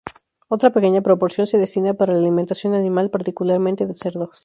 Otra pequeña proporción se destina para la alimentación animal, particularmente de cerdos.